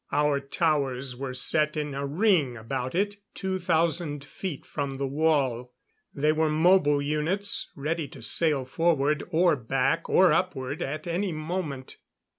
Our towers were set in a ring about it, two thousand feet from the wall. They were mobile units, ready to sail forward or back or upward at any moment.